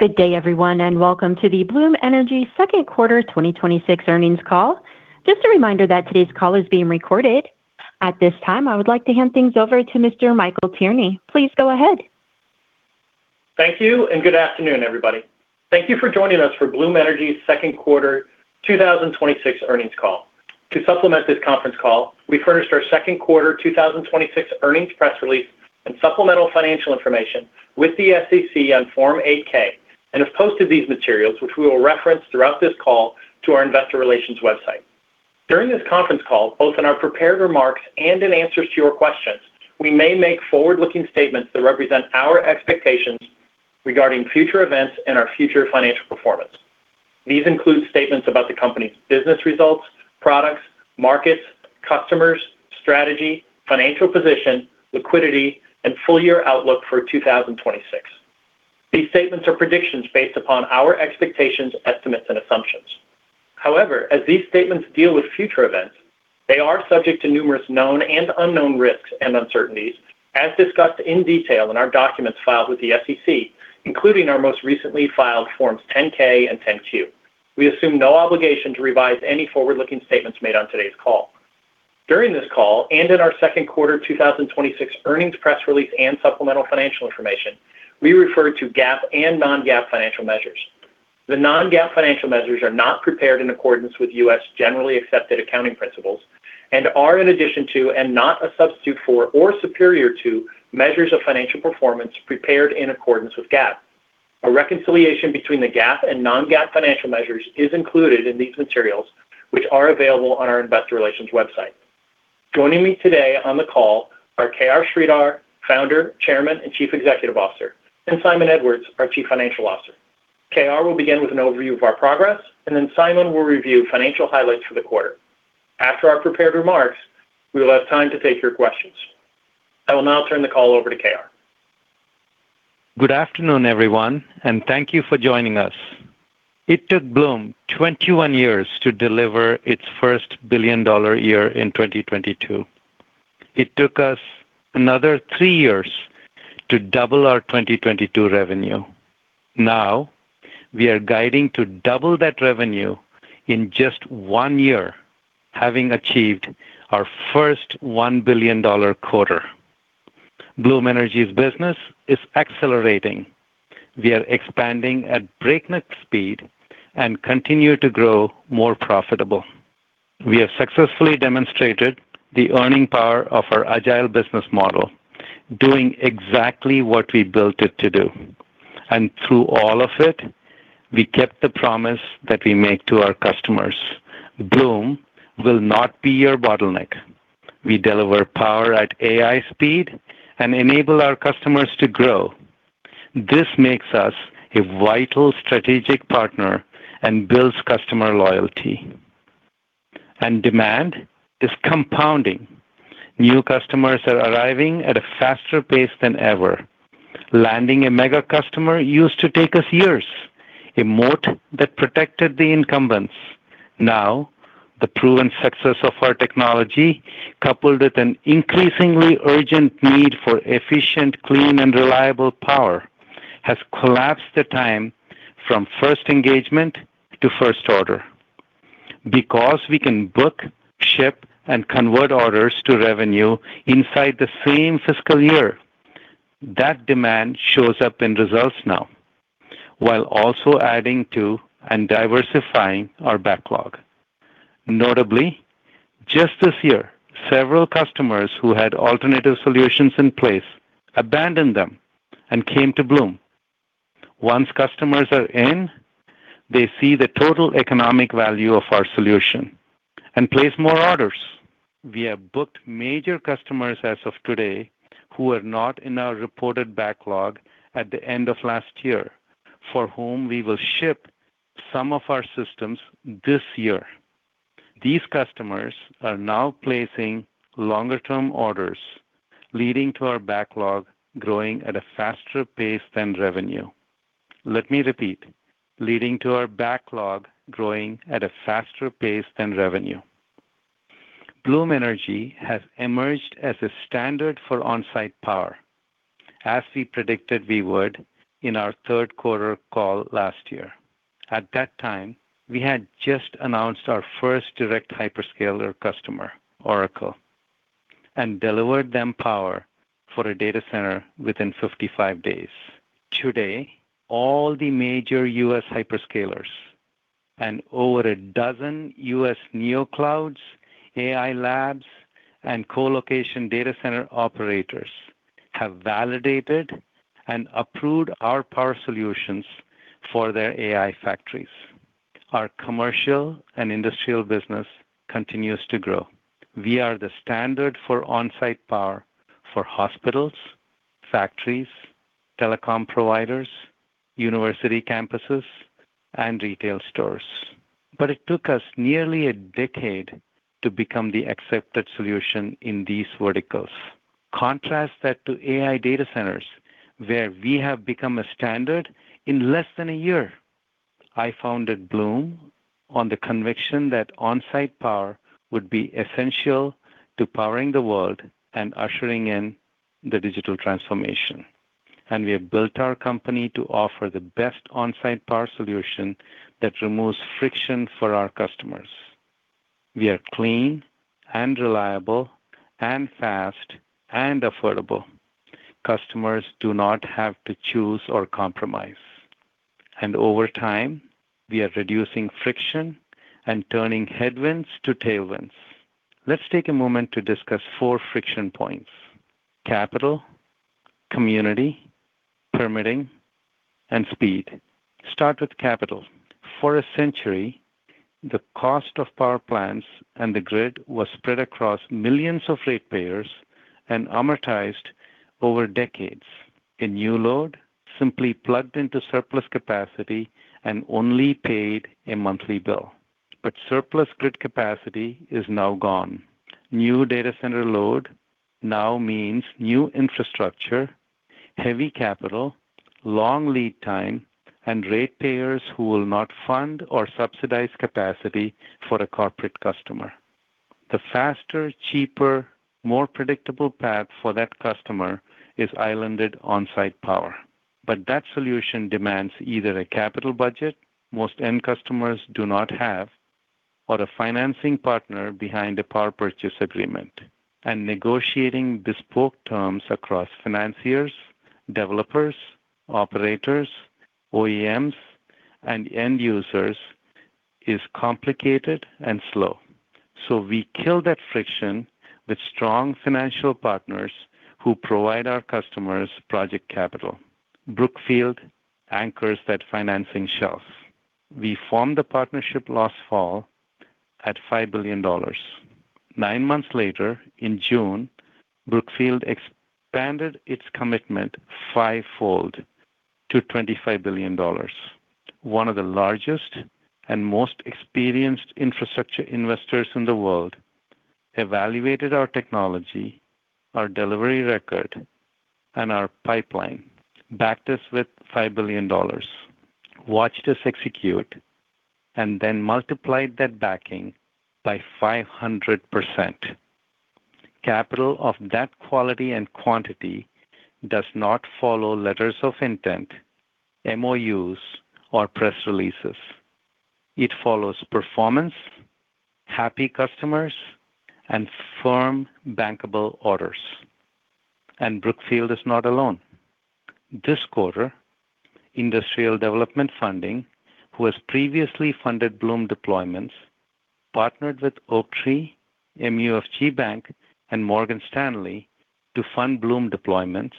Good day everyone, welcome to the Bloom Energy second quarter 2026 earnings call. Just a reminder that today's call is being recorded. At this time, I would like to hand things over to Mr. Michael Tierney. Please go ahead. Thank you, good afternoon, everybody. Thank you for joining us for Bloom Energy's second quarter 2026 earnings call. To supplement this conference call, we furnished our second quarter 2026 earnings press release and supplemental financial information with the SEC on Form 8-K, and have posted these materials, which we will reference throughout this call, to our investor relations website. During this conference call, both in our prepared remarks and in answers to your questions, we may make forward-looking statements that represent our expectations regarding future events and our future financial performance. These include statements about the company's business results, products, markets, customers, strategy, financial position, liquidity, and full-year outlook for 2026. These statements are predictions based upon our expectations, estimates, and assumptions. However, as these statements deal with future events, they are subject to numerous known and unknown risks and uncertainties as discussed in detail in our documents filed with the SEC, including our most recently filed forms 10-K and 10-Q. We assume no obligation to revise any forward-looking statements made on today's call. During this call, in our second quarter 2026 earnings press release and supplemental financial information, we refer to GAAP and non-GAAP financial measures. The non-GAAP financial measures are not prepared in accordance with U.S. generally accepted accounting principles and are in addition to, and not a substitute for or superior to, measures of financial performance prepared in accordance with GAAP. A reconciliation between the GAAP and non-GAAP financial measures is included in these materials, which are available on our investor relations website. Joining me today on the call are K.R. Sridhar, Founder, Chairman, and Chief Executive Officer, and Simon Edwards, our Chief Financial Officer. K.R. will begin with an overview of our progress, and then Simon will review financial highlights for the quarter. After our prepared remarks, we will have time to take your questions. I will now turn the call over to K.R. Good afternoon, everyone, and thank you for joining us. It took Bloom 21 years to deliver its first billion-dollar year in 2022. It took us another three years to double our 2022 revenue. Now, we are guiding to double that revenue in just one year, having achieved our first $1 billion quarter. Bloom Energy's business is accelerating. We are expanding at breakneck speed and continue to grow more profitable. We have successfully demonstrated the earning power of our agile business model, doing exactly what we built it to do. Through all of it, we kept the promise that we make to our customers. Bloom will not be your bottleneck. We deliver power at AI speed and enable our customers to grow. This makes us a vital strategic partner and builds customer loyalty. Demand is compounding. New customers are arriving at a faster pace than ever. Landing a mega customer used to take us years, a moat that protected the incumbents. Now, the proven success of our technology, coupled with an increasingly urgent need for efficient, clean, and reliable power, has collapsed the time from first engagement to first order. Because we can book, ship, and convert orders to revenue inside the same fiscal year, that demand shows up in results now, while also adding to and diversifying our backlog. Notably, just this year, several customers who had alternative solutions in place abandoned them and came to Bloom. Once customers are in, they see the total economic value of our solution and place more orders. We have booked major customers as of today who were not in our reported backlog at the end of last year, for whom we will ship some of our systems this year. These customers are now placing longer-term orders, leading to our backlog growing at a faster pace than revenue. Let me repeat, leading to our backlog growing at a faster pace than revenue. Bloom Energy has emerged as a standard for on-site power, as we predicted we would in our third quarter call last year. At that time, we had just announced our first direct hyperscaler customer, Oracle, and delivered them power for a data center within 55 days. Today, all the major U.S. hyperscalers and over a dozen U.S. neo clouds, AI labs, and colocation data center operators have validated and approved our power solutions for their AI factories. Our commercial and industrial business continues to grow. We are the standard for on-site power for hospitals, factories, telecom providers, university campuses, and retail stores. It took us nearly a decade to become the accepted solution in these verticals. Contrast that to AI data centers, where we have become a standard in less than a year. I founded Bloom on the conviction that on-site power would be essential to powering the world and ushering in the digital transformation. We have built our company to offer the best on-site power solution that removes friction for our customers. We are clean and reliable and fast and affordable. Customers do not have to choose or compromise. Over time, we are reducing friction and turning headwinds to tailwinds. Let's take a moment to discuss four friction points: capital, community, permitting, and speed. Start with capital. For a century, the cost of power plants and the grid was spread across millions of ratepayers and amortized over decades. A new load simply plugged into surplus capacity and only paid a monthly bill. Surplus grid capacity is now gone. New data center load now means new infrastructure, heavy capital, long lead time, and ratepayers who will not fund or subsidize capacity for a corporate customer. The faster, cheaper, more predictable path for that customer is islanded on-site power. That solution demands either a capital budget most end customers do not have, or a financing partner behind a power purchase agreement. Negotiating bespoke terms across financiers, developers, operators, OEMs, and end users is complicated and slow. We kill that friction with strong financial partners who provide our customers project capital. Brookfield anchors that financing shelf. We formed the partnership last fall at $5 billion. Nine months later, in June, Brookfield expanded its commitment fivefold to $25 billion. One of the largest and most experienced infrastructure investors in the world evaluated our technology, our delivery record, and our pipeline, backed us with $5 billion, watched us execute, and then multiplied that backing by 500%. Capital of that quality and quantity does not follow letters of intent, MOUs, or press releases. It follows performance, happy customers, and firm bankable orders. Brookfield is not alone. This quarter, Industrial Development Funding, who has previously funded Bloom deployments, partnered with Oaktree, MUFG Bank, and Morgan Stanley to fund Bloom deployments,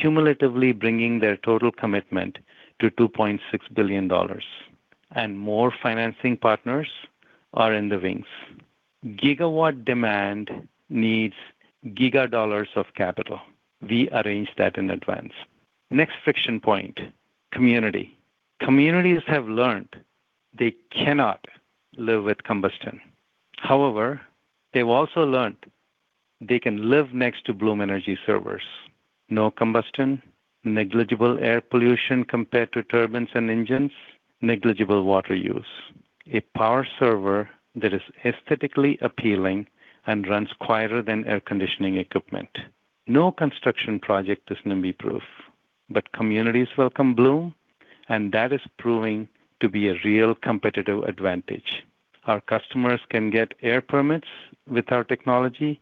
cumulatively bringing their total commitment to $2.6 billion. More financing partners are in the wings. Gigawatt demand needs gigadollars of capital. We arranged that in advance. Next friction point, community. Communities have learned they cannot live with combustion. However, they've also learned they can live next to Bloom Energy Servers, no combustion, negligible air pollution compared to turbines and engines, negligible water use. A power server that is aesthetically appealing and runs quieter than air conditioning equipment. No construction project is NIMBY-proof but communities welcome Bloom, and that is proving to be a real competitive advantage. Our customers can get air permits with our technology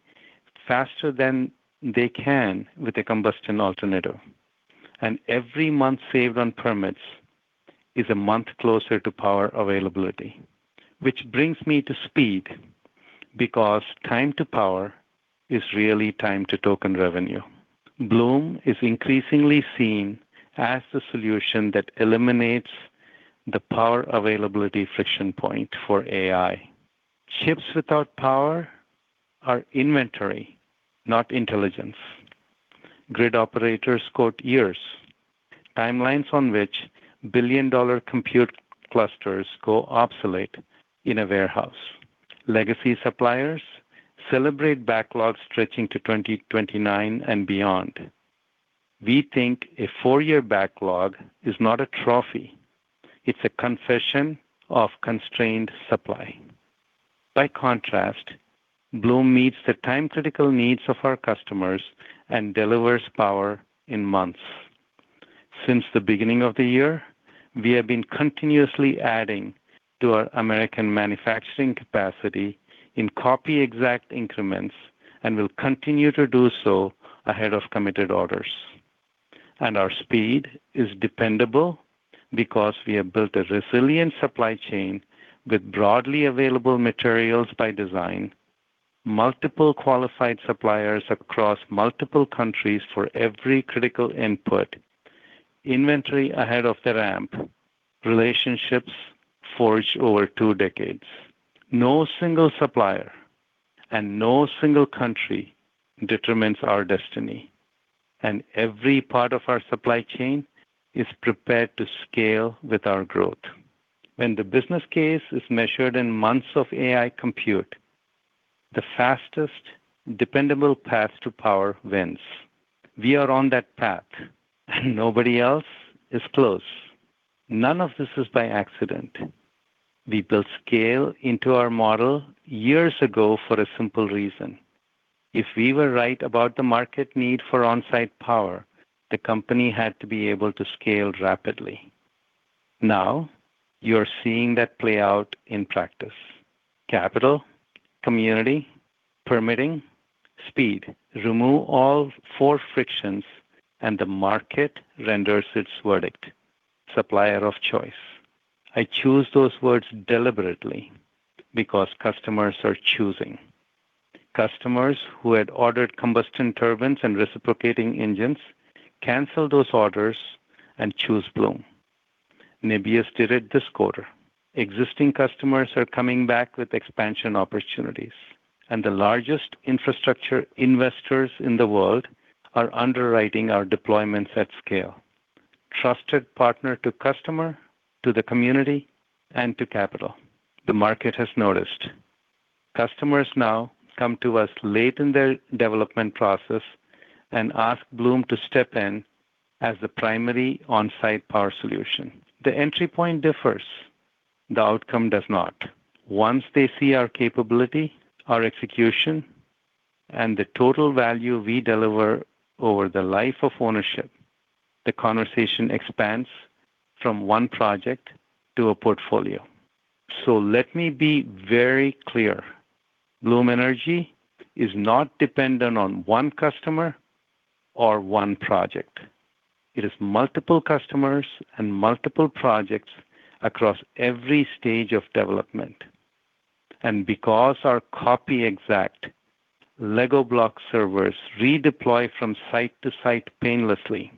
faster than they can with a combustion alternative. Every month saved on permits is a month closer to power availability. Which brings me to speed, because time to power is really time to token revenue. Bloom is increasingly seen as the solution that eliminates the power availability friction point for AI. Chips without power are inventory, not intelligence. Grid operators quote years, timelines on which billion-dollar compute clusters go obsolete in a warehouse. Legacy suppliers celebrate backlogs stretching to 2029 and beyond. We think a four-year backlog is not a trophy. It's a confession of constrained supply. By contrast, Bloom meets the time-critical needs of our customers and delivers power in months. Since the beginning of the year, we have been continuously adding to our American manufacturing capacity in copy exact increments and will continue to do so ahead of committed orders. Our speed is dependable because we have built a resilient supply chain with broadly available materials by design, multiple qualified suppliers across multiple countries for every critical input, inventory ahead of the ramp, relationships forged over two decades. No single supplier and no single country determines our destiny, and every part of our supply chain is prepared to scale with our growth. When the business case is measured in months of AI compute. The fastest, dependable path to power wins. We are on that path, and nobody else is close. None of this is by accident. We built scale into our model years ago for a simple reason. If we were right about the market need for on-site power, the company had to be able to scale rapidly. Now, you're seeing that play out in practice: capital, community, permitting, speed. Remove all four frictions and the market renders its verdict. Supplier of choice. I choose those words deliberately because customers are choosing. Customers who had ordered combustion turbines and reciprocating engines cancel those orders and choose Bloom. Nebius did it this quarter. Existing customers are coming back with expansion opportunities, and the largest infrastructure investors in the world are underwriting our deployments at scale. Trusted partner to customer, to the community, and to capital. The market has noticed. Customers now come to us late in their development process and ask Bloom to step in as the primary on-site power solution. The entry point differs, the outcome does not. Once they see our capability, our execution, and the total value we deliver over the life of ownership, the conversation expands from one project to a portfolio. Let me be very clear. Bloom Energy is not dependent on one customer or one project. It is multiple customers and multiple projects across every stage of development. Because our copy exact Lego-block servers redeploy from site to site painlessly,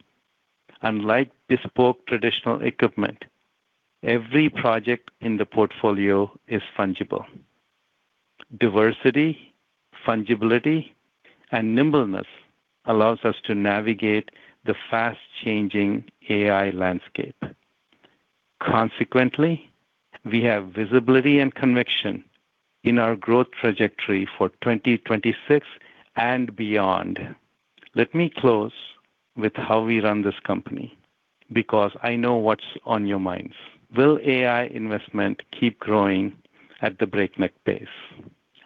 unlike bespoke traditional equipment, every project in the portfolio is fungible. Diversity, fungibility, and nimbleness allows us to navigate the fast-changing AI landscape. Consequently, we have visibility and conviction in our growth trajectory for 2026 and beyond. Let me close with how we run this company, because I know what's on your minds. Will AI investment keep growing at the breakneck pace?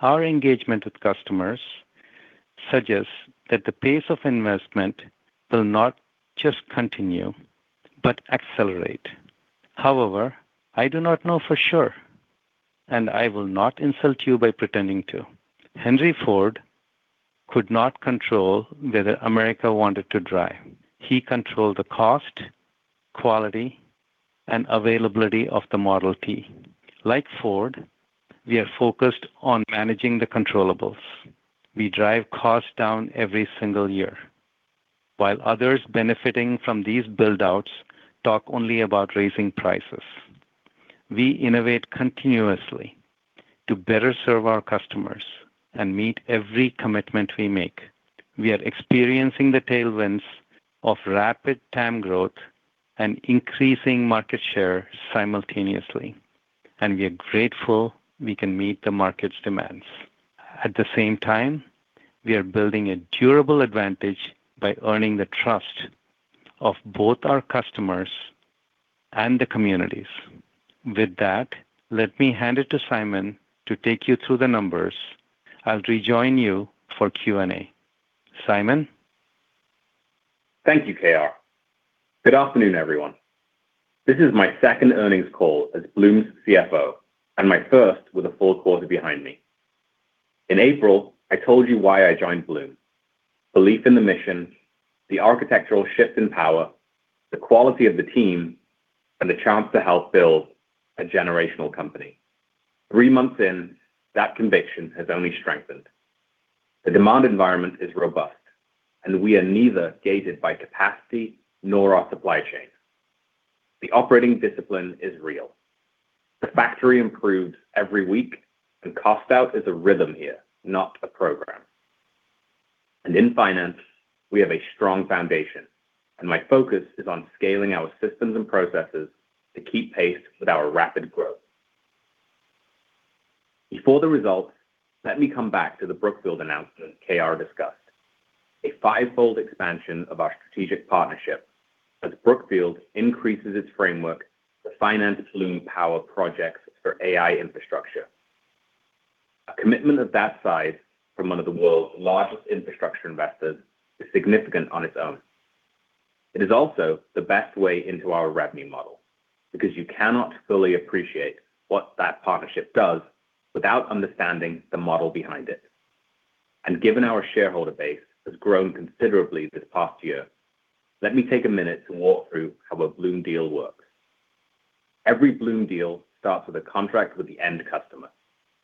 Our engagement with customers suggests that the pace of investment will not just continue, but accelerate. However, I do not know for sure, and I will not insult you by pretending to. Henry Ford could not control whether America wanted to drive. He controlled the cost, quality, and availability of the Model T. Like Ford, we are focused on managing the controllables. We drive costs down every single year, while others benefiting from these build-outs talk only about raising prices. We innovate continuously to better serve our customers and meet every commitment we make. We are experiencing the tailwinds of rapid TAM growth and increasing market share simultaneously, and we are grateful we can meet the market's demands. At the same time, we are building a durable advantage by earning the trust of both our customers and the communities. With that, let me hand it to Simon to take you through the numbers. I'll rejoin you for Q&A. Simon? Thank you, K.R. Good afternoon, everyone. This is my second earnings call as Bloom's CFO and my first with a full quarter behind me. In April, I told you why I joined Bloom. Belief in the mission, the architectural shift in power, the quality of the team, and the chance to help build a generational company. Three months in, that conviction has only strengthened. The demand environment is robust, and we are neither gated by capacity nor our supply chain. The operating discipline is real. The factory improved every week, and cost out is a rhythm here, not a program. In finance, we have a strong foundation, and my focus is on scaling our systems and processes to keep pace with our rapid growth. Before the results, let me come back to the Brookfield announcement K.R. discussed. A five-fold expansion of our strategic partnership as Brookfield increases its framework to finance Bloom power projects for AI infrastructure. A commitment of that size from one of the world's largest infrastructure investors is significant on its own. It is also the best way into our revenue model because you cannot fully appreciate what that partnership does without understanding the model behind it. Given our shareholder base has grown considerably this past year, let me take a minute to walk through how a Bloom deal works. Every Bloom deal starts with a contract with the end customer,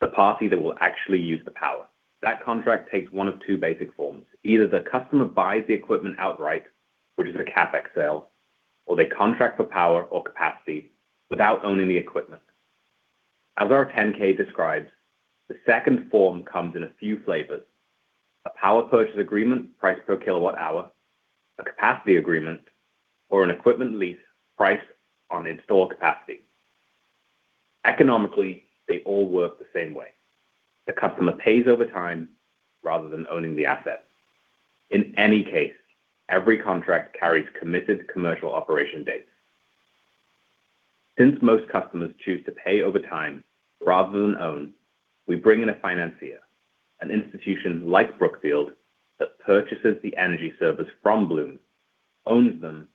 the party that will actually use the power. That contract takes one of two basic forms. Either the customer buys the equipment outright, which is a CapEx sale, or they contract for power or capacity without owning the equipment. As our 10-K describes, the second form comes in a few flavors. A power purchase agreement priced per kilowatt-hour, a capacity agreement, or an equipment lease priced on installed capacity. Economically, they all work the same way. The customer pays over time rather than owning the asset. In any case, every contract carries committed commercial operation dates. Since most customers choose to pay over time rather than own, we bring in a financier, an institution like Brookfield, that purchases the energy service from Bloom, owns them,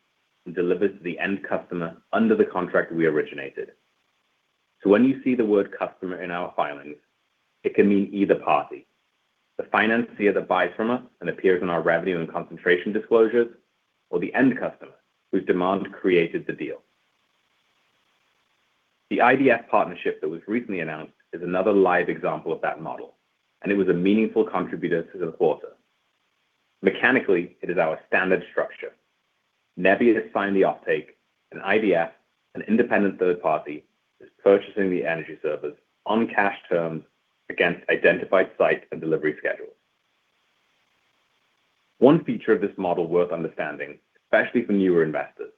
and delivers to the end customer under the contract we originated. When you see the word customer in our filings, it can mean either party, the financier that buys from us and appears in our revenue and concentration disclosures, or the end customer whose demand created the deal. The IDF partnership that was recently announced is another live example of that model, and it was a meaningful contributor to the quarter. Mechanically, it is our standard structure. Nebius signed the offtake, and IDF, an independent third party, is purchasing the energy service on cash terms against identified sites and delivery schedules. One feature of this model worth understanding, especially for newer investors,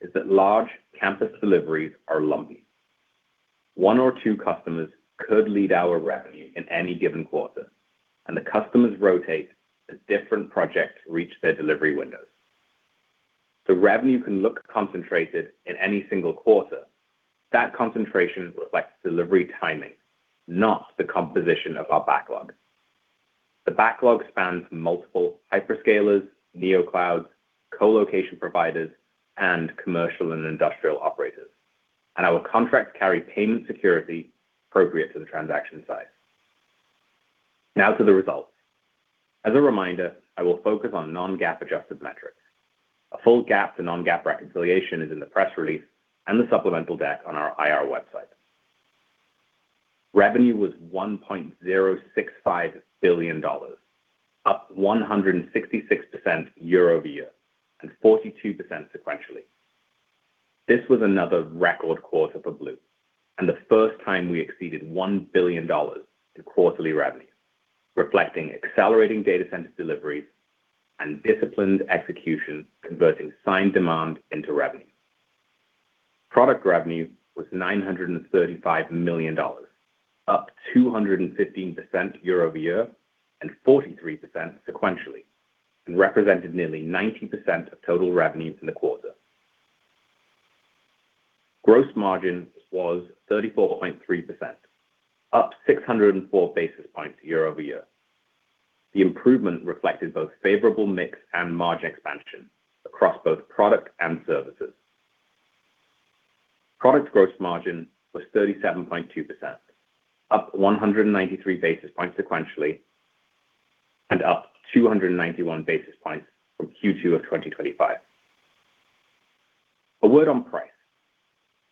is that large campus deliveries are lumpy. One or two customers could lead our revenue in any given quarter, and the customers rotate as different projects reach their delivery windows. Revenue can look concentrated in any single quarter. That concentration reflects delivery timing, not the composition of our backlog. The backlog spans multiple hyperscalers, neo clouds, colocation providers, and commercial and industrial operators, and our contracts carry payment security appropriate to the transaction size. To the results. As a reminder, I will focus on non-GAAP adjusted metrics. A full GAAP to non-GAAP reconciliation is in the press release and the supplemental deck on our IR website. Revenue was $1.065 billion, up 166% year-over-year and 42% sequentially. This was another record quarter for Bloom, and the first time we exceeded $1 billion in quarterly revenue, reflecting accelerating data center deliveries and disciplined execution converting signed demand into revenue. Product revenue was $935 million, up 215% year-over-year and 43% sequentially, and represented nearly 90% of total revenue in the quarter. Gross margin was 34.3%, up 604 basis points year-over-year. The improvement reflected both favorable mix and margin expansion across both product and services. Product gross margin was 37.2%, up 193 basis points sequentially and up 291 basis points from Q2 of 2025. A word on price.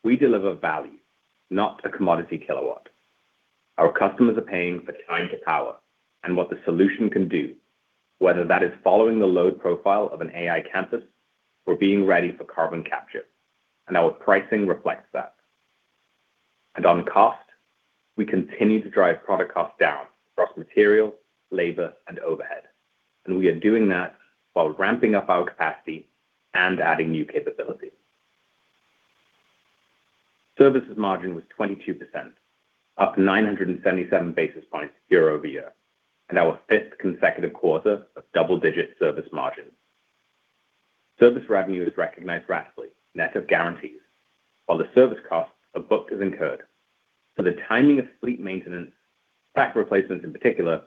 We deliver value, not a commodity kilowatt. Our customers are paying for time to power and what the solution can do, whether that is following the load profile of an AI campus or being ready for carbon capture, and our pricing reflects that. On cost, we continue to drive product cost down across material, labor, and overhead, and we are doing that while ramping up our capacity and adding new capabilities. Services margin was 22%, up 977 basis points year-over-year, and our fifth consecutive quarter of double-digit service margin. Service revenue is recognized ratably, net of guarantees, while the service costs are booked as incurred. The timing of fleet maintenance, stack replacements in particular,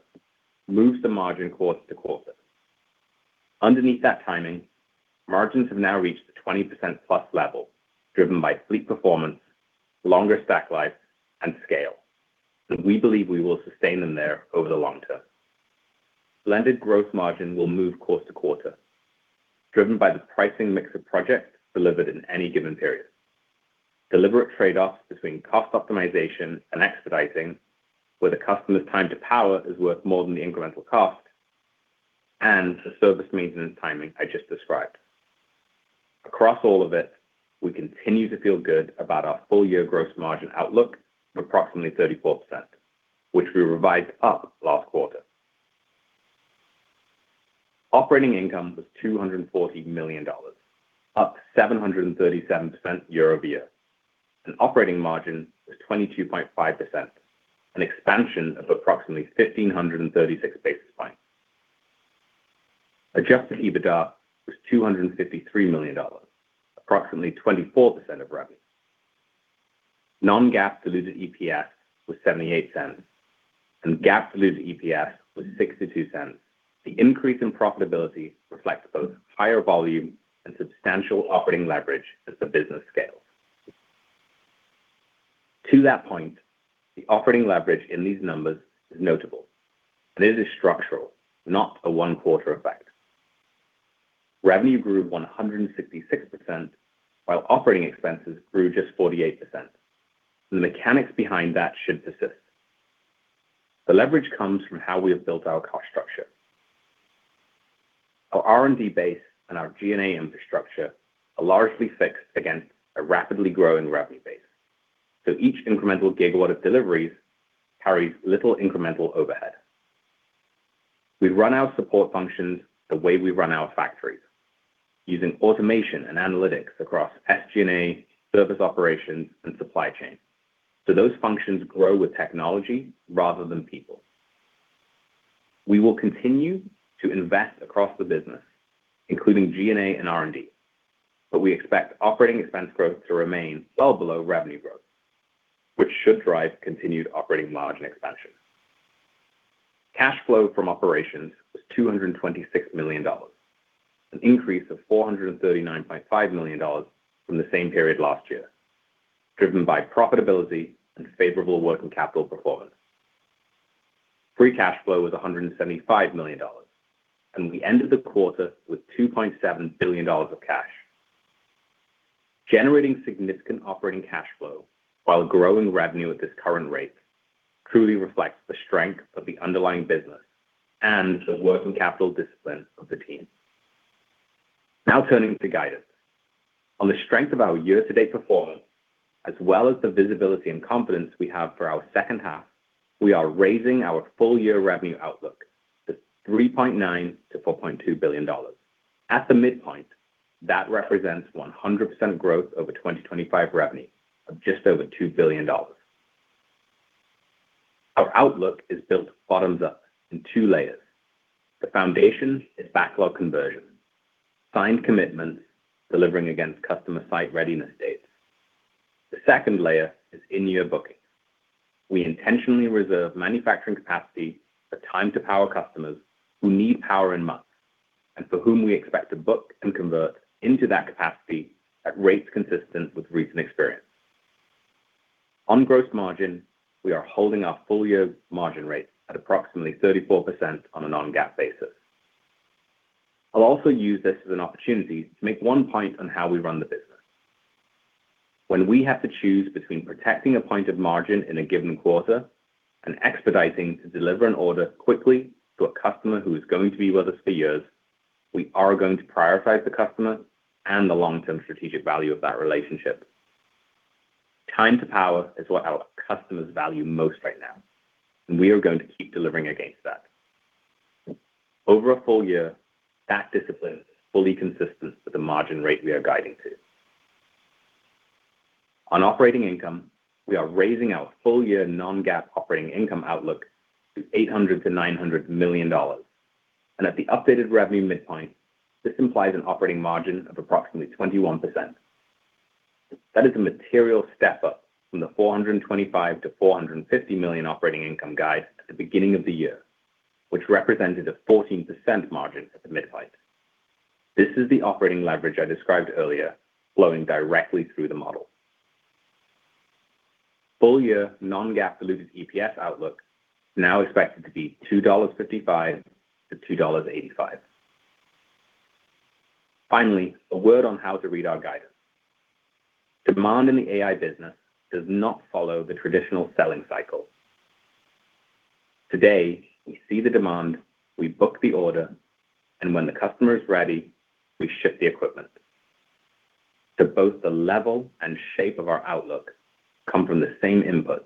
moves the margin quarter to quarter. Underneath that timing, margins have now reached the 20%+ level, driven by fleet performance, longer stack life, and scale, and we believe we will sustain them there over the long term. Blended gross margin will move quarter to quarter, driven by the pricing mix of projects delivered in any given period, deliberate trade-offs between cost optimization and expediting, where the customer's time to power is worth more than the incremental cost, and the service maintenance timing I just described. Across all of it, we continue to feel good about our full-year gross margin outlook of approximately 34%, which we revised up last quarter. Operating income was $240 million, up 737% year-over-year, and operating margin was 22.5%, an expansion of approximately 1,536 basis points. Adjusted EBITDA was $253 million, approximately 24% of revenue. Non-GAAP diluted EPS was $0.78, and GAAP diluted EPS was $0.62. The increase in profitability reflects both higher volume and substantial operating leverage as the business scales. To that point, the operating leverage in these numbers is notable, and it is structural, not a one-quarter effect. Revenue grew 166%, while operating expenses grew just 48%, and the mechanics behind that should persist. The leverage comes from how we have built our cost structure. Our R&D base and our G&A infrastructure are largely fixed against a rapidly growing revenue base. Each incremental gigawatt of deliveries carries little incremental overhead. We run our support functions the way we run our factories, using automation and analytics across SG&A, service operations, and supply chain. Those functions grow with technology rather than people. We will continue to invest across the business, including G&A and R&D, but we expect operating expense growth to remain well below revenue growth, which should drive continued operating margin expansion. Cash flow from operations was $226 million, an increase of $439.5 million from the same period last year, driven by profitability and favorable working capital performance. Free cash flow was $175 million, and we ended the quarter with $2.7 billion of cash. Generating significant operating cash flow while growing revenue at this current rate truly reflects the strength of the underlying business and the working capital discipline of the team. Now turning to guidance. On the strength of our year-to-date performance, as well as the visibility and confidence we have for our second half, we are raising our full-year revenue outlook to $3.9 billion-$4.2 billion. At the midpoint, that represents 100% growth over 2025 revenue of just over $2 billion. Our outlook is built bottom-up in two layers. The foundation is backlog conversion, signed commitments delivering against customer site readiness dates. The second layer is in-year bookings. We intentionally reserve manufacturing capacity for time-to-power customers who need power in months, and for whom we expect to book and convert into that capacity at rates consistent with recent experience. On gross margin, we are holding our full-year margin rates at approximately 34% on a non-GAAP basis. I'll also use this as an opportunity to make one point on how we run the business. When we have to choose between protecting a point of margin in a given quarter and expediting to deliver an order quickly to a customer who is going to be with us for years, we are going to prioritize the customer and the long-term strategic value of that relationship. Time to power is what our customers value most right now, and we are going to keep delivering against that. Over a full year, that discipline is fully consistent with the margin rate we are guiding to. On operating income, we are raising our full-year non-GAAP operating income outlook to $800 million-$900 million. At the updated revenue midpoint, this implies an operating margin of approximately 21%. That is a material step-up from the $425 million-$450 million operating income guide at the beginning of the year, which represented a 14% margin at the midpoint. This is the operating leverage I described earlier, flowing directly through the model. Full-year non-GAAP diluted EPS outlook is now expected to be $2.55-$2.85. Finally, a word on how to read our guidance. Demand in the AI business does not follow the traditional selling cycle. Today, we see the demand, we book the order, and when the customer is ready, we ship the equipment. Both the level and shape of our outlook come from the same inputs,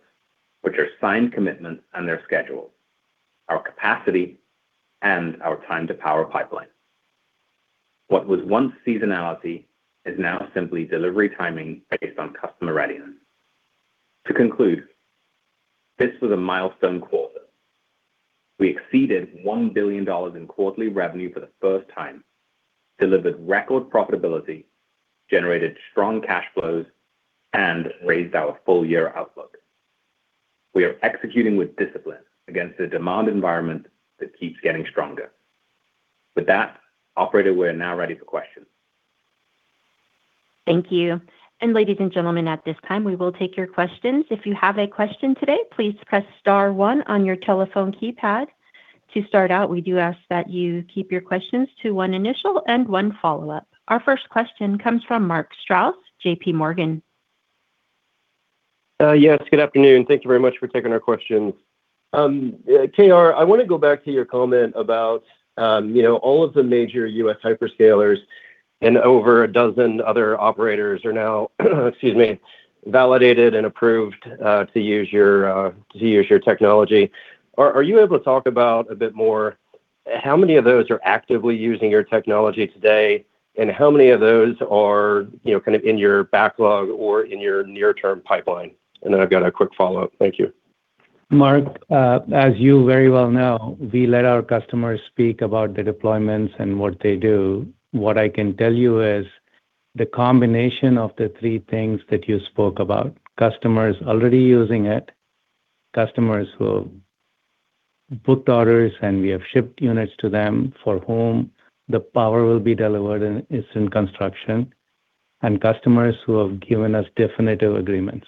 which are signed commitments and their schedules, our capacity, and our time to power pipeline. What was once seasonality is now simply delivery timing based on customer readiness. To conclude, this was a milestone quarter. We exceeded $1 billion in quarterly revenue for the first time, delivered record profitability, generated strong cash flows, and raised our full-year outlook. We are executing with discipline against a demand environment that keeps getting stronger. With that, operator, we are now ready for questions. Thank you. Ladies and gentlemen, at this time, we will take your questions. If you have a question today, please press star one on your telephone keypad. To start out, we do ask that you keep your questions to one initial and one follow-up. Our first question comes from Mark Strouse, JPMorgan. Yes, good afternoon. Thank you very much for taking our questions. K.R., I want to go back to your comment about all of the major U.S. hyperscalers and over a dozen other operators are now, excuse me, validated and approved to use your technology. Are you able to talk about a bit more how many of those are actively using your technology today, and how many of those are kind of in your backlog or in your near-term pipeline? Then I've got a quick follow-up. Thank you. Mark, as you very well know, we let our customers speak about the deployments and what they do. What I can tell you is the combination of the three things that you spoke about, customers already using it, customers who booked orders, and we have shipped units to them for whom the power will be delivered and is in construction, and customers who have given us definitive agreements.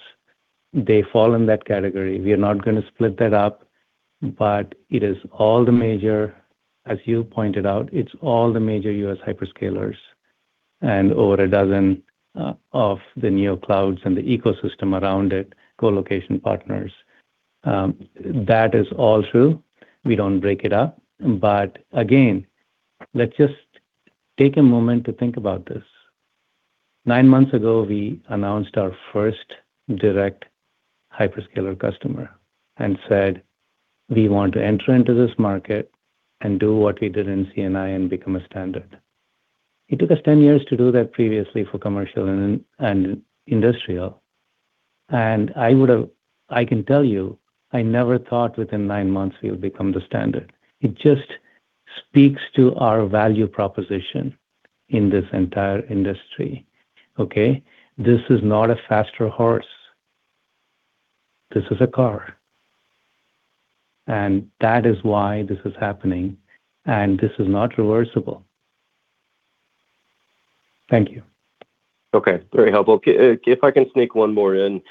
They fall in that category. We are not going to split that up, but it is all the major, as you pointed out, it's all the major U.S. hyperscalers over a dozen of the neo clouds and the ecosystem around it, colocation partners. That is all true. We don't break it up. Again, let's just take a moment to think about this. Nine months ago, we announced our first direct hyperscaler customer and said we want to enter into this market and do what we did in C&I and become a standard. It took us 10 years to do that previously for commercial and industrial. I can tell you, I never thought within nine months we would become the standard. It just speaks to our value proposition in this entire industry. Okay. This is not a faster horse. This is a car. That is why this is happening, and this is not reversible. Thank you. Okay. Very helpful. If I can sneak one more in.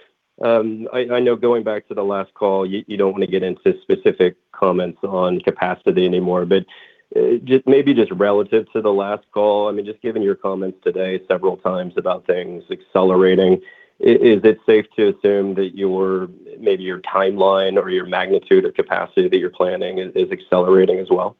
I know going back to the last call, you don't want to get into specific comments on capacity anymore, but maybe just relative to the last call, just given your comments today several times about things accelerating, is it safe to assume that maybe your timeline or your magnitude of capacity that you're planning is accelerating as well?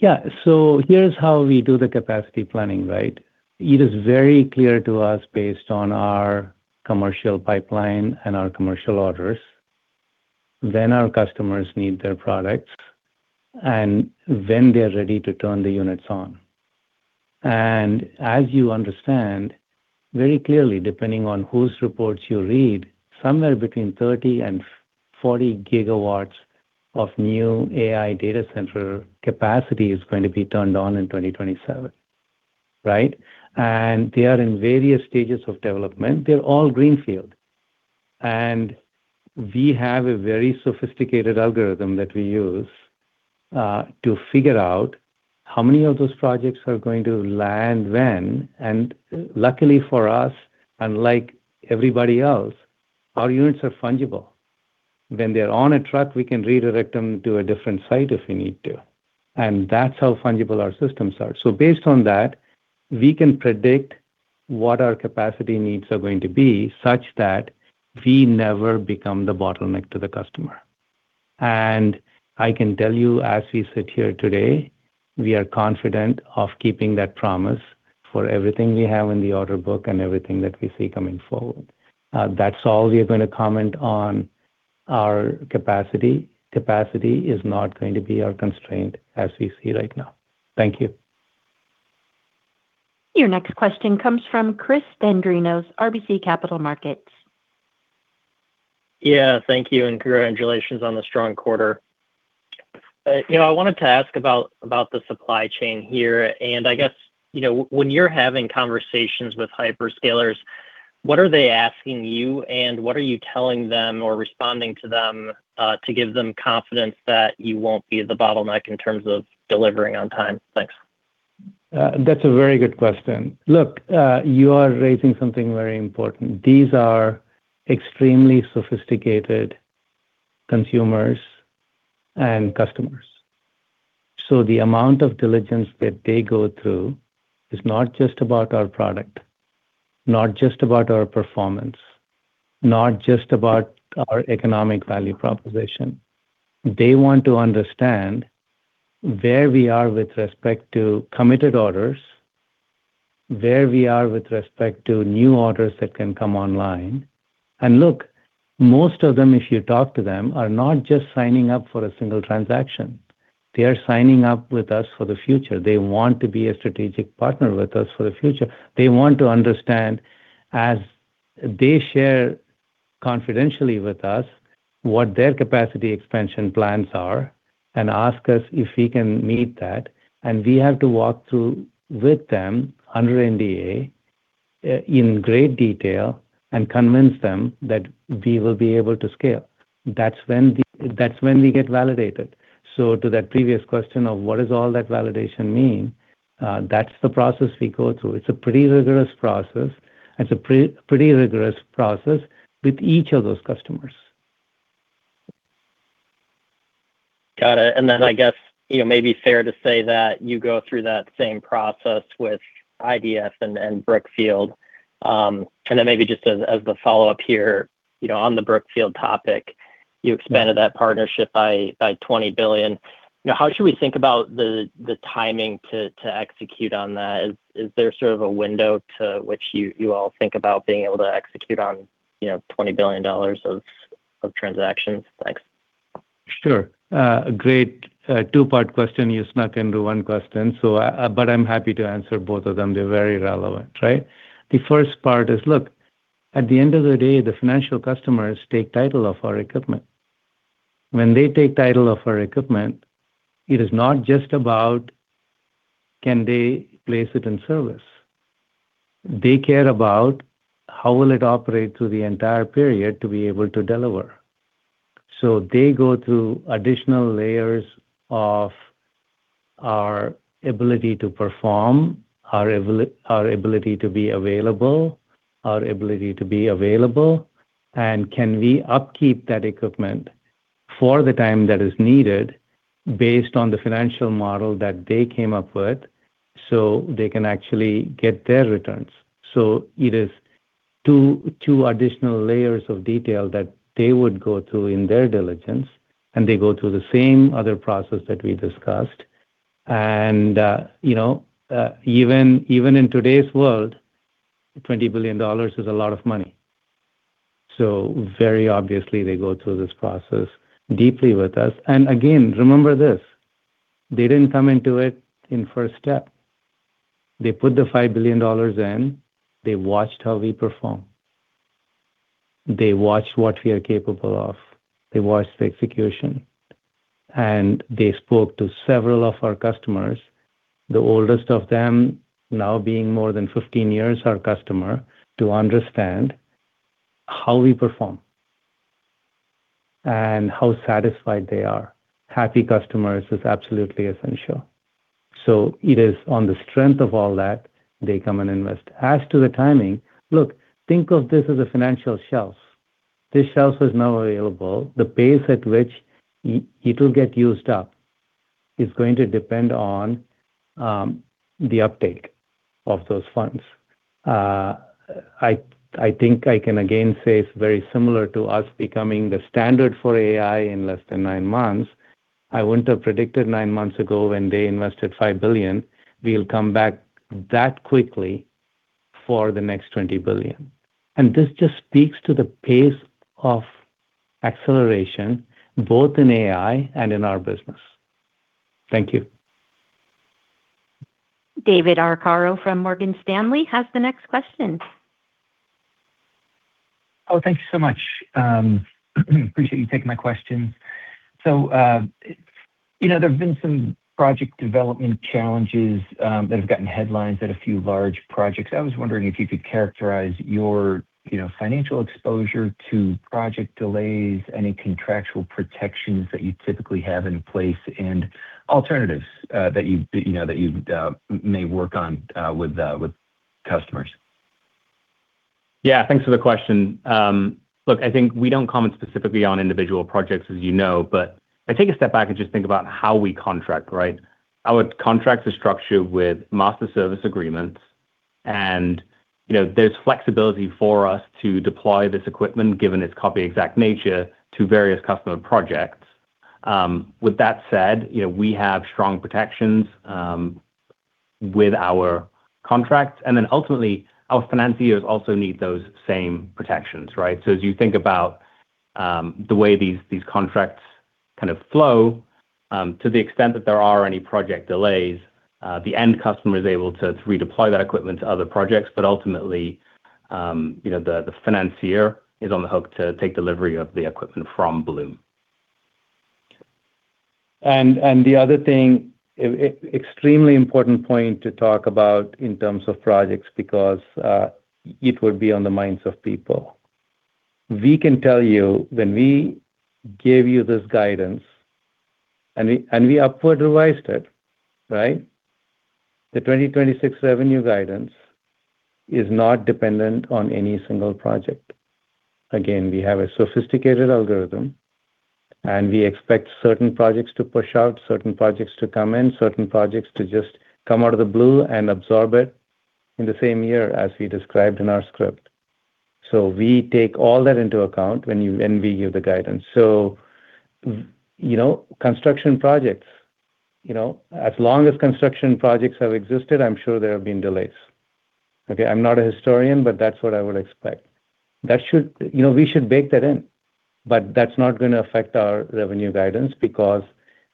Yeah. Here's how we do the capacity planning, right? It is very clear to us based on our commercial pipeline and our commercial orders, when our customers need their products, and when they're ready to turn the units on. As you understand, very clearly, depending on whose reports you read, somewhere between 30 GW and 40 GW of new AI data center capacity is going to be turned on in 2027, right? They are in various stages of development. They're all greenfield. We have a very sophisticated algorithm that we use to figure out how many of those projects are going to land when. Luckily for us, unlike everybody else, our units are fungible. When they're on a track, we can redirect them to a different site if we need to. That's how fungible our systems are. Based on that, we can predict what our capacity needs are going to be such that we never become the bottleneck to the customer. I can tell you, as we sit here today, we are confident of keeping that promise for everything we have in the order book and everything that we see coming forward. That's all we are going to comment on our capacity. Capacity is not going to be our constraint as we see right now. Thank you. Your next question comes from Chris Dendrinos, RBC Capital Markets. Yeah. Thank you, and congratulations on the strong quarter. I wanted to ask about the supply chain here. I guess, when you're having conversations with hyperscalers, what are they asking you, and what are you telling them or responding to them to give them confidence that you won't be the bottleneck in terms of delivering on time? Thanks. That's a very good question. Look, you are raising something very important. These are extremely sophisticated consumers and customers. The amount of diligence that they go through is not just about our product, not just about our performance, not just about our economic value proposition. They want to understand where we are with respect to committed orders, where we are with respect to new orders that can come online. Look, most of them, if you talk to them, are not just signing up for a single transaction. They are signing up with us for the future. They want to be a strategic partner with us for the future. They want to understand as they share confidentially with us what their capacity expansion plans are and ask us if we can meet that. We have to walk through with them, under NDA, in great detail and convince them that we will be able to scale. That's when we get validated. To that previous question of what does all that validation mean? That's the process we go through. It's a pretty rigorous process. It's a pretty rigorous process with each of those customers. Got it. I guess, maybe fair to say that you go through that same process with IDF and Brookfield. Maybe just as the follow-up here, on the Brookfield topic, you expanded that partnership by $20 billion. How should we think about the timing to execute on that? Is there sort of a window to which you all think about being able to execute on $20 billion of transactions? Thanks. Sure. A great two-part question you snuck into one question. I'm happy to answer both of them. They're very relevant, right? The first part is, look, at the end of the day, the financial customers take title of our equipment. When they take title of our equipment, it is not just about can they place it in service. They care about how will it operate through the entire period to be able to deliver. They go through additional layers of our ability to perform, our ability to be available, and can we upkeep that equipment for the time that is needed based on the financial model that they came up with, so they can actually get their returns. It is two additional layers of detail that they would go through in their diligence, and they go through the same other process that we discussed. Even in today's world, $20 billion is a lot of money. Very obviously, they go through this process deeply with us. Again, remember this, they didn't come into it in first step. They put the $5 billion in. They watched how we perform. They watched what we are capable of. They watched the execution. They spoke to several of our customers, the oldest of them now being more than 15 years our customer, to understand how we perform and how satisfied they are. Happy customers is absolutely essential. It is on the strength of all that they come and invest. As to the timing, look, think of this as a financial shelf. This shelf is now available. The pace at which it will get used up is going to depend on the uptake of those funds. I think I can again say it's very similar to us becoming the standard for AI in less than nine months. I wouldn't have predicted nine months ago when they invested $5 billion, we'll come back that quickly for the next $20 billion. This just speaks to the pace of acceleration, both in AI and in our business. Thank you. David Arcaro from Morgan Stanley has the next question. Thank you so much. Appreciate you taking my questions. There have been some project development challenges that have gotten headlines at a few large projects. I was wondering if you could characterize your financial exposure to project delays, any contractual protections that you typically have in place, and alternatives that you may work on with customers. Thanks for the question. Look, I think we don't comment specifically on individual projects, as you know. If I take a step back and just think about how we contract, right? Our contracts are structured with master service agreements, and there's flexibility for us to deploy this equipment, given its copy exact nature, to various customer projects. With that said, we have strong protections with our contracts. Then ultimately, our financiers also need those same protections, right? As you think about the way these contracts kind of flow, to the extent that there are any project delays, the end customer is able to redeploy that equipment to other projects. Ultimately, the financier is on the hook to take delivery of the equipment from Bloom. The other thing, extremely important point to talk about in terms of projects, because it would be on the minds of people. We can tell you when we gave you this guidance, and we upward revised it, right? The 2026 revenue guidance is not dependent on any single project. Again, we have a sophisticated algorithm, and we expect certain projects to push out, certain projects to come in, certain projects to just come out of the blue and absorb it in the same year as we described in our script. We take all that into account when we give the guidance. Construction projects, as long as construction projects have existed, I'm sure there have been delays. Okay? I'm not a historian, but that's what I would expect. We should bake that in, but that's not going to affect our revenue guidance because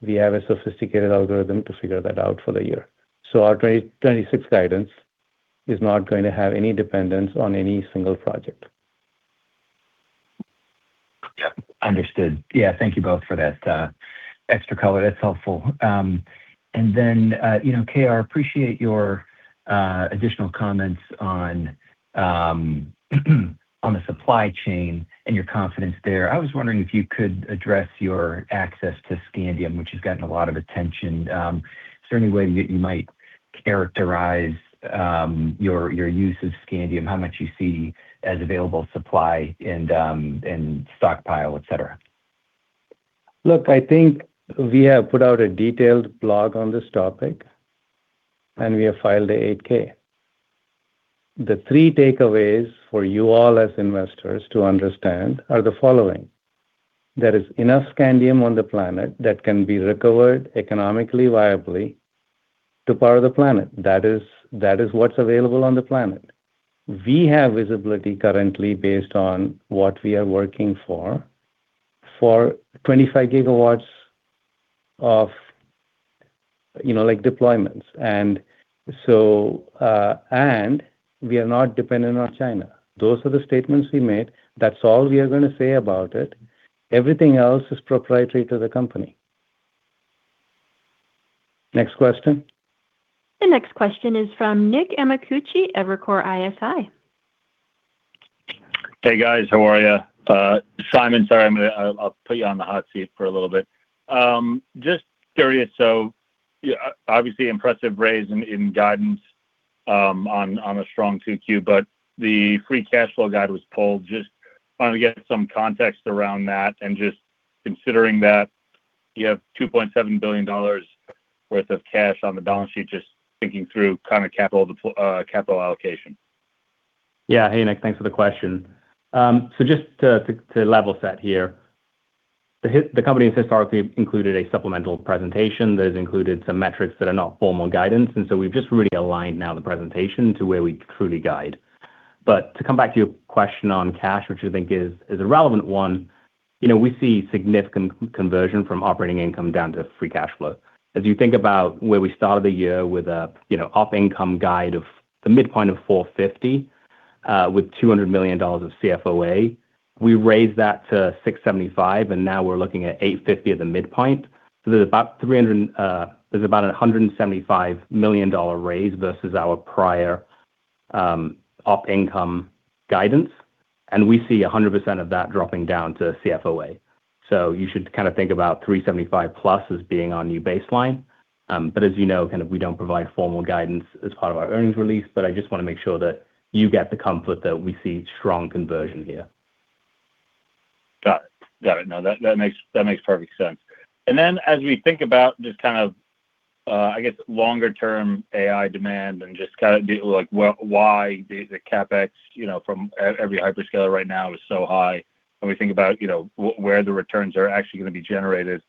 we have a sophisticated algorithm to figure that out for the year. Our 2026 guidance is not going to have any dependence on any single project. Yep. Understood. Yeah. Thank you both for that extra color. That's helpful. K.R., appreciate your additional comments on the supply chain and your confidence there. I was wondering if you could address your access to scandium, which has gotten a lot of attention. Is there any way that you might characterize your use of scandium, how much you see as available supply and stockpile, et cetera? I think we have put out a detailed blog on this topic, and we have filed the 8-K. The three takeaways for you all as investors to understand are the following. There is enough scandium on the planet that can be recovered economically viably to power the planet. That is what's available on the planet. We have visibility currently based on what we are working for 25 GW of deployments. We are not dependent on China. Those are the statements we made. That's all we are going to say about it. Everything else is proprietary to the company. Next question. The next question is from Nick Amicucci, Evercore ISI. Hey, guys. How are you? Simon, sorry, I'll put you on the hot seat for a little bit. Obviously impressive raise in guidance on a strong 2Q, but the free cash flow guide was pulled. I just want to get some context around that and just considering that you have $2.7 billion worth of cash on the balance sheet, just thinking through capital allocation. Yeah. Hey, Nick. Thanks for the question. Just to level set here, the company has historically included a supplemental presentation that has included some metrics that are not formal guidance. We've just really aligned now the presentation to where we truly guide. To come back to your question on cash, which I think is a relevant one. We see significant conversion from operating income down to free cash flow. As you think about where we started the year with op income guide of the midpoint of $450 million, with $200 million of CFOA, we raised that to $675 million, and now we're looking at $850 million at the midpoint. There's about a $175 million raise versus our prior op income guidance, and we see 100% of that dropping down to CFOA. You should think about $375+ million as being our new baseline. As you know, we don't provide formal guidance as part of our earnings release. I just want to make sure that you get the comfort that we see strong conversion here. Got it. No, that makes perfect sense. As we think about just, I guess, longer term AI demand and just deal like why the CapEx from every hyperscaler right now is so high, and we think about where the returns are actually going to be generated.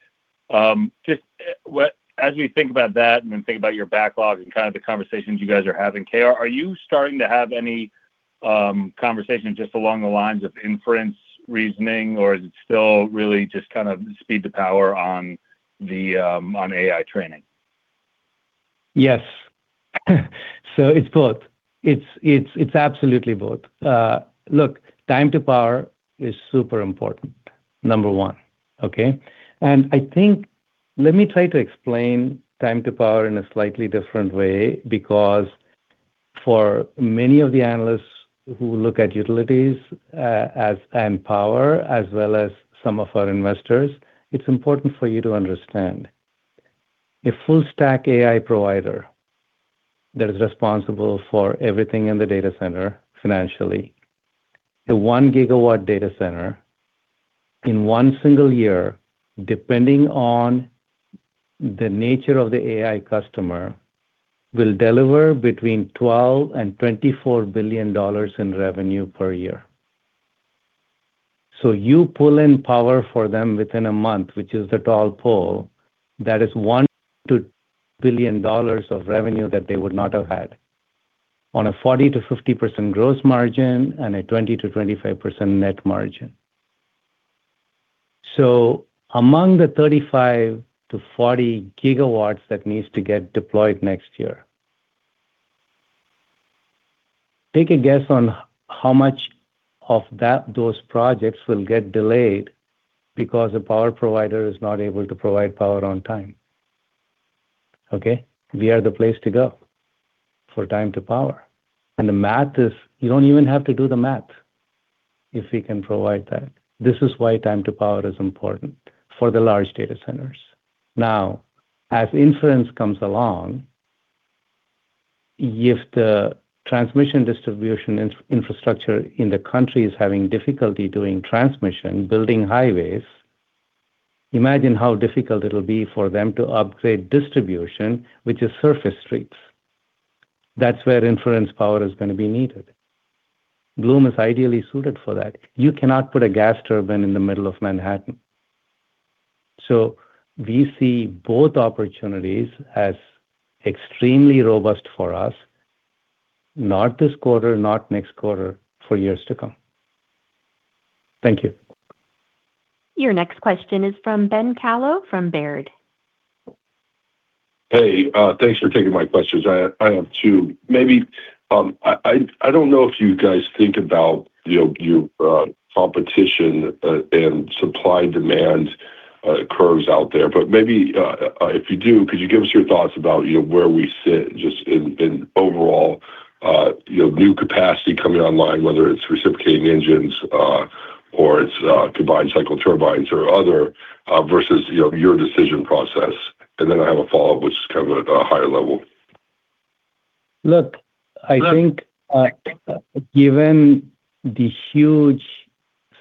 As we think about that and then think about your backlog and kind of the conversations you guys are having, K.R., are you starting to have any conversations just along the lines of inference reasoning, or is it still really just kind of speed to power on AI training? Yes. It's both. It's absolutely both. Look, time to power is super important, number one. Okay. Let me try to explain time to power in a slightly different way, because for many of the analysts who look at utilities and power, as well as some of our investors, it's important for you to understand. A full stack AI provider that is responsible for everything in the data center financially, the 1 GW data center in one single year, depending on the nature of the AI customer, will deliver between $12 billion and $24 billion in revenue per year. You pull in power for them within a month, which is the tall pole, that is $1 billion-$2 billion of revenue that they would not have had, on a 40%-50% gross margin and a 20%-25% net margin. Among the 35 GW-40 GW that needs to get deployed next year, take a guess on how much of those projects will get delayed because the power provider is not able to provide power on time. Okay. We are the place to go for time to power. The math is, you don't even have to do the math if we can provide that. This is why time to power is important for the large data centers. Now, as inference comes along, if the transmission distribution infrastructure in the country is having difficulty doing transmission, building highways, imagine how difficult it'll be for them to upgrade distribution, which is surface streets. That's where inference power is going to be needed. Bloom is ideally suited for that. You cannot put a gas turbine in the middle of Manhattan. We see both opportunities as extremely robust for us, not this quarter, not next quarter, for years to come. Thank you. Your next question is from Ben Kallo from Baird. Hey, thanks for taking my questions. I have two. I don't know if you guys think about your competition and supply-demand curves out there. Maybe, if you do, could you give us your thoughts about where we sit just in overall new capacity coming online, whether it's reciprocating engines or it's combined cycle turbines or other, versus your decision process? I have a follow-up which is kind of at a higher level. Look, I think given the huge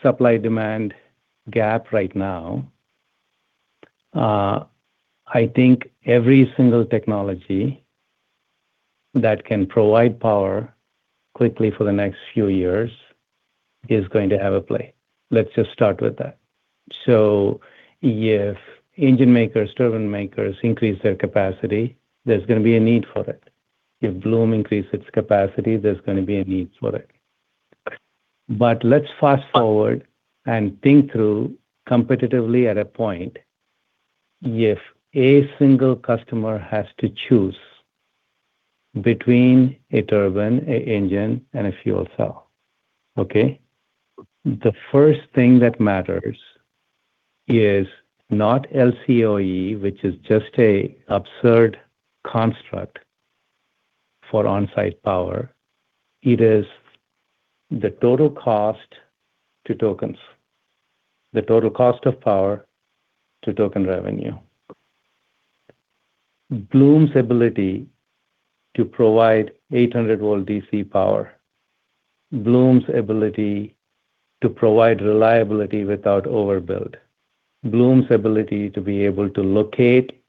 supply-demand gap right now, I think every single technology that can provide power quickly for the next few years is going to have a play. Let's just start with that. If engine makers, turbine makers increase their capacity, there's going to be a need for it. If Bloom increases its capacity, there's going to be a need for it. Let's fast-forward and think through competitively at a point, if a single customer has to choose between a turbine, an engine, and a fuel cell. Okay? The first thing that matters is not LCOE, which is just an absurd construct for on-site power. It is the total cost to token, the total cost of power to token revenue. Bloom's ability to provide 800 volt DC power, Bloom's ability to provide reliability without overbuild, Bloom's ability to be able to locate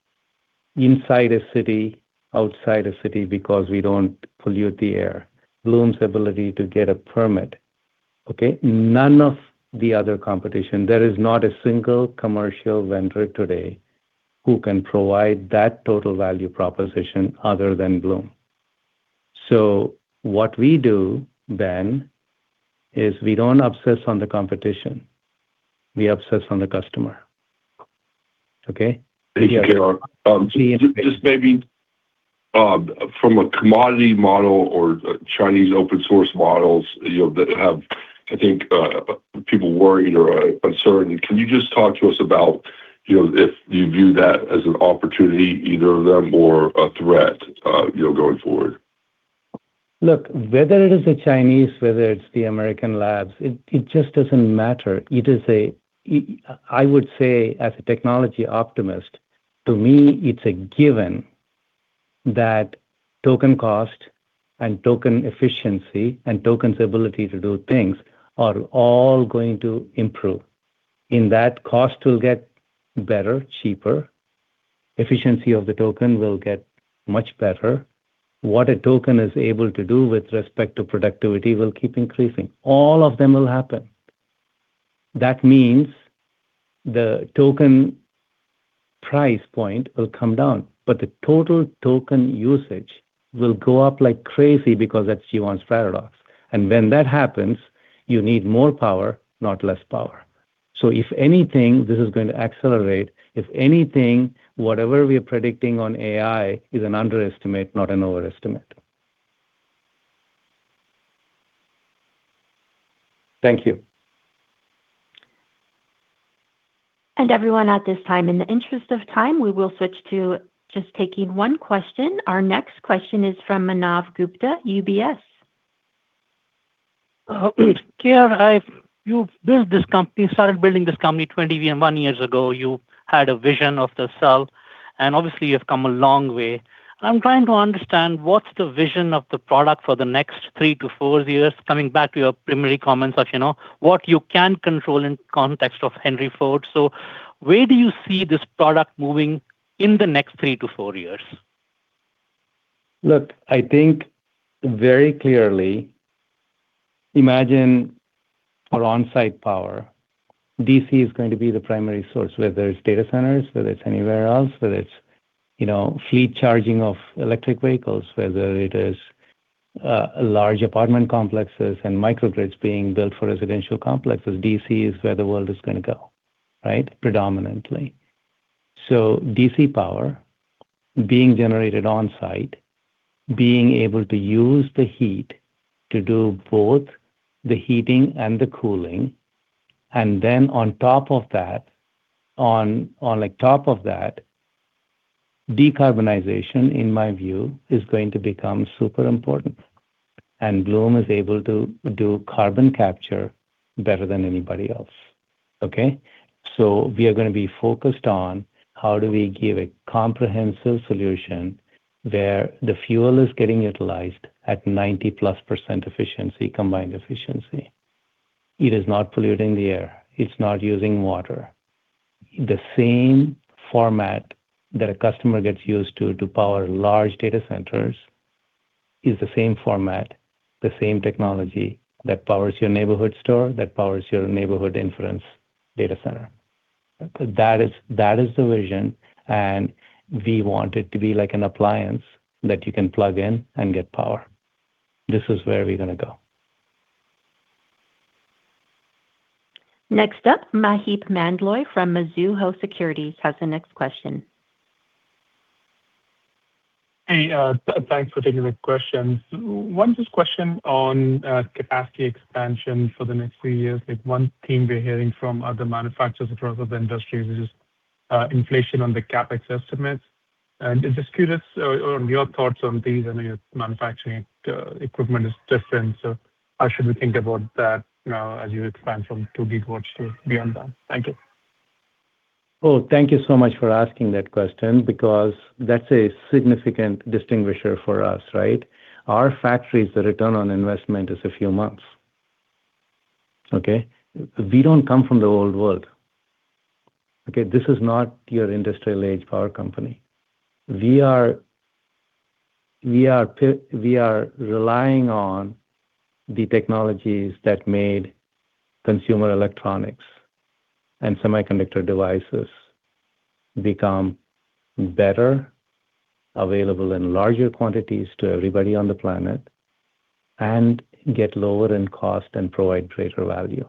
inside a city, outside a city, because we don't pollute the air. Bloom's ability to get a permit. Okay? None of the other competition, there is not a single commercial vendor today who can provide that total value proposition other than Bloom. What we do then is we don't obsess on the competition. We obsess on the customer. Okay? Thank you, K.R. Just maybe from a commodity model or Chinese open source models that have, I think, people worried or concerned, can you just talk to us about if you view that as an opportunity, either of them, or a threat going forward? Look, whether it is the Chinese, whether it's the American labs, it just doesn't matter. I would say, as a technology optimist, to me, it's a given that token cost and token efficiency and token's ability to do things are all going to improve. In that, cost will get better, cheaper. Efficiency of the token will get much better. What a token is able to do with respect to productivity will keep increasing. All of them will happen. That means the token price point will come down, but the total token usage will go up like crazy because that's Jevons paradox. When that happens, you need more power, not less power. If anything, this is going to accelerate. If anything, whatever we are predicting on AI is an underestimate, not an overestimate. Thank you. Everyone, at this time, in the interest of time, we will switch to just taking one question. Our next question is from Manav Gupta, UBS. K.R., you've started building this company 21 years ago. You had a vision of the cell, obviously you've come a long way. I'm trying to understand what's the vision of the product for the next three to four years, coming back to your primary comments, what you can control in context of Henry Ford. Where do you see this product moving in the next three to four years? Look, I think very clearly, imagine our on-site power. DC is going to be the primary source, whether it's data centers, whether it's anywhere else, whether it's fleet charging of electric vehicles, whether it is large apartment complexes and microgrids being built for residential complexes. DC is where the world is going to go, right? Predominantly. DC power being generated on-site, being able to use the heat to do both the heating and the cooling, then on top of that, decarbonization, in my view, is going to become super important. Bloom is able to do carbon capture better than anybody else. Okay? We are going to be focused on how do we give a comprehensive solution where the fuel is getting utilized at 90%+ efficiency, combined efficiency. It is not polluting the air. It's not using water. The same format that a customer gets used to to power large data centers is the same format, the same technology that powers your neighborhood store, that powers your neighborhood inference data center. That is the vision. We want it to be like an appliance that you can plug in and get power. This is where we're going to go. Next up, Maheep Mandloi from Mizuho Securities has the next question. Hey, thanks for taking the question. One just question on capacity expansion for the next three years. The one theme we're hearing from other manufacturers across other industries is inflation on the CapEx estimates. Just curious on your thoughts on these. I know your manufacturing equipment is different, so how should we think about that now as you expand from 2 GW to beyond that? Thank you. Thank you so much for asking that question because that's a significant distinguisher for us, right? Our factories, the return on investment is a few months. Okay? We don't come from the old world. Okay. This is not your industrial age power company. We are relying on the technologies that made consumer electronics and semiconductor devices become better available in larger quantities to everybody on the planet, and get lower in cost and provide greater value.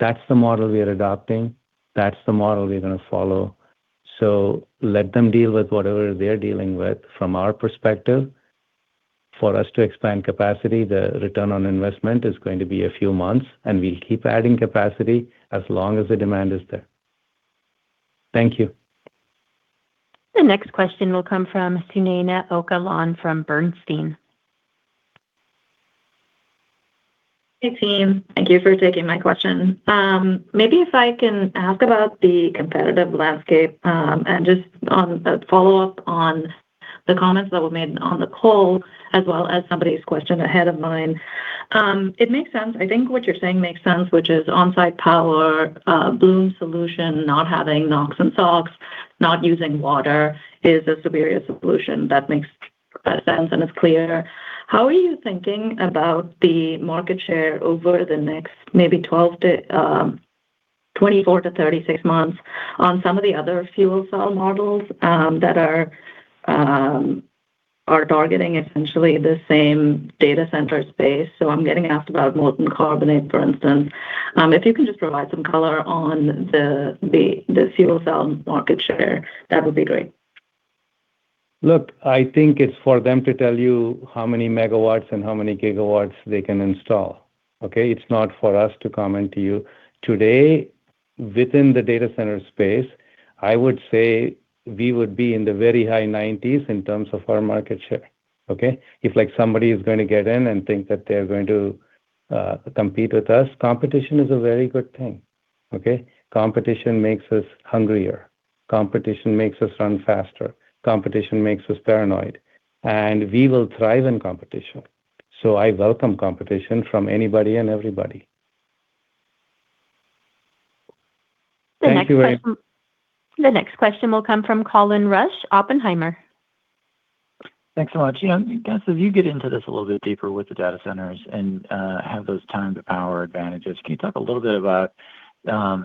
That's the model we are adopting. That's the model we're going to follow. Let them deal with whatever they're dealing with. From our perspective, for us to expand capacity, the return on investment is going to be a few months, and we'll keep adding capacity as long as the demand is there. Thank you. The next question will come from Sunaina Ocalan from Bernstein. Hey, team. Thank you for taking my question. Maybe if I can ask about the competitive landscape, and just on a follow-up on the comments that were made on the call as well as somebody's question ahead of mine. It makes sense. I think what you're saying makes sense, which is on-site power, Bloom solution, not having NOx and SOx, not using water is a superior solution. That makes sense, and it's clear. How are you thinking about the market share over the next maybe 12 to 24 to 36 months on some of the other fuel cell models that are targeting essentially the same data center space? I'm getting asked about molten carbonate, for instance. If you can just provide some color on the fuel cell market share, that would be great. Look, I think it's for them to tell you how many megawatts and how many gigawatts they can install, okay? It's not for us to comment to you. Today, within the data center space, I would say we would be in the very high 90s in terms of our market share, okay? If somebody is going to get in and think that they're going to compete with us, competition is a very good thing, okay? Competition makes us hungrier, competition makes us run faster, competition makes us paranoid, and we will thrive in competition. I welcome competition from anybody and everybody. Thank you. The next question will come from Colin Rusch, Oppenheimer. Thanks so much. Guys, as you get into this a little bit deeper with the data centers and have those time to power advantages, can you talk a little bit about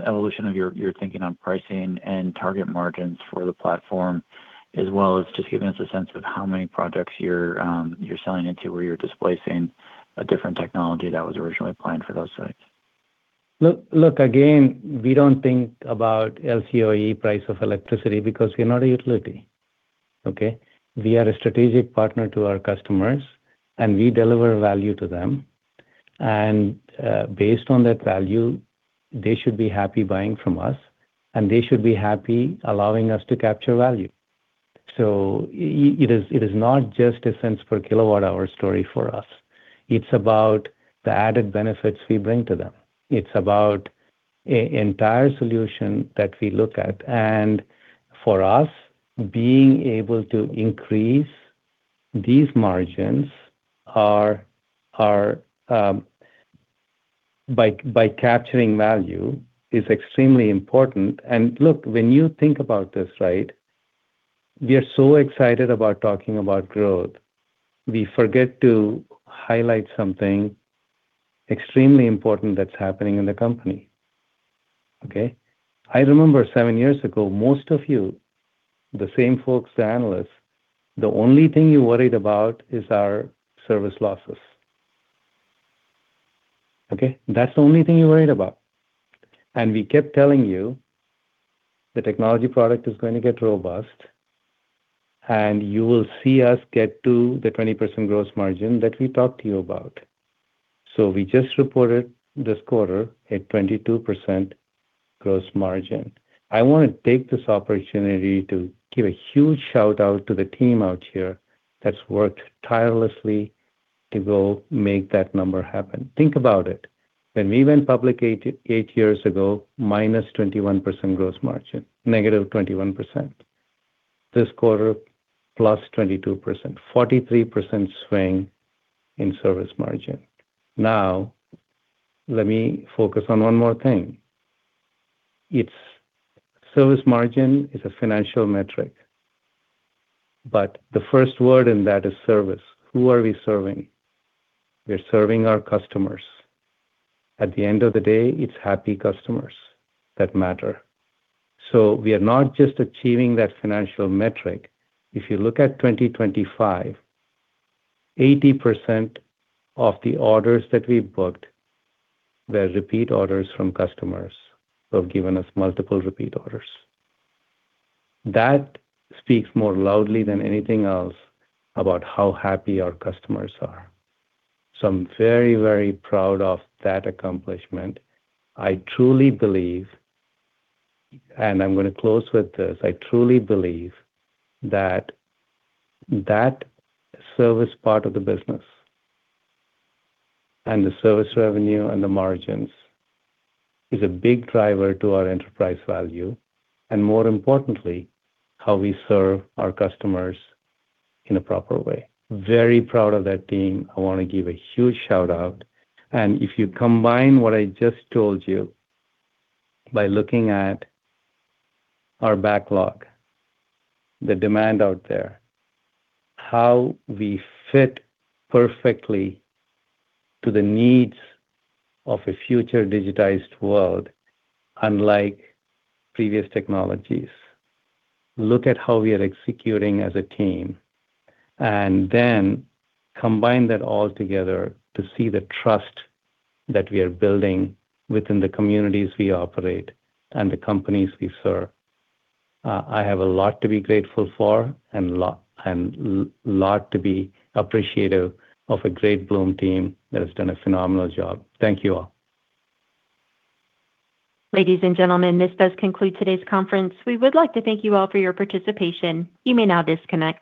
evolution of your thinking on pricing and target margins for the platform, as well as just giving us a sense of how many projects you're selling into where you're displacing a different technology that was originally planned for those sites? Look, again, we don't think about LCOE price of electricity because we're not a utility, okay? We are a strategic partner to our customers, and we deliver value to them. Based on that value, they should be happy buying from us, and they should be happy allowing us to capture value. It is not just a cents per kilowatt hour story for us. It's about the added benefits we bring to them. It's about an entire solution that we look at. For us, being able to increase these margins by capturing value is extremely important. Look, when you think about this, we are so excited about talking about growth, we forget to highlight something extremely important that's happening in the company. Okay? I remember seven years ago, most of you, the same folks, the analysts, the only thing you worried about is our service losses. Okay? That's the only thing you worried about. We kept telling you the technology product is going to get robust, and you will see us get to the 20% gross margin that we talked to you about. We just reported this quarter a 22% gross margin. I want to take this opportunity to give a huge shout-out to the team out here that's worked tirelessly to go make that number happen. Think about it. When we went public eight years ago, -21% gross margin, -21%. This quarter, +22%, 43% swing in service margin. Now, let me focus on one more thing. Service margin is a financial metric, but the first word in that is service. Who are we serving? We're serving our customers. At the end of the day, it's happy customers that matter. We are not just achieving that financial metric. If you look at 2025, 80% of the orders that we booked were repeat orders from customers who have given us multiple repeat orders. That speaks more loudly than anything else about how happy our customers are. I'm very, very proud of that accomplishment. I truly believe, and I'm going to close with this, I truly believe that that service part of the business, and the service revenue and the margins, is a big driver to our enterprise value, and more importantly, how we serve our customers in a proper way. Very proud of that team. I want to give a huge shout-out. If you combine what I just told you by looking at our backlog, the demand out there, how we fit perfectly to the needs of a future digitized world, unlike previous technologies, look at how we are executing as a team, and then combine that all together to see the trust that we are building within the communities we operate and the companies we serve. I have a lot to be grateful for and lot to be appreciative of a great Bloom team that has done a phenomenal job. Thank you all. Ladies and gentlemen, this does conclude today's conference. We would like to thank you all for your participation. You may now disconnect.